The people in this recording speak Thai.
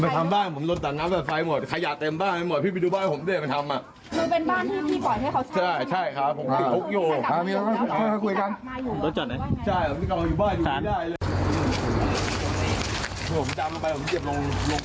คุยกัน